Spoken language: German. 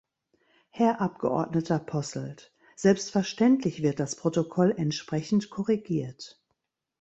Herr Abgeordneter Posselt, selbstverständlich wird das Protokoll entsprechend korrigiert.